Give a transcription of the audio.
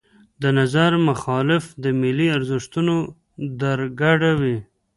د نظر مخالف د ملي ارزښتونو درګډ وي.